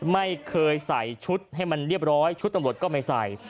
ไม่เคยใส่ชุดให้มันเรียบร้อยชุดตำรวจก็ไม่ใส่